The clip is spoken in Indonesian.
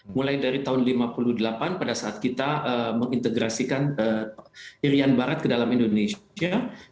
mulai dari tahun seribu sembilan ratus lima puluh delapan pada saat kita mengintegrasikan irian barat ke dalam indonesia